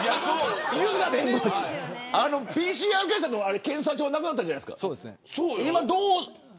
犬塚弁護士ＰＣＲ検査の検査場なくなったじゃないですか。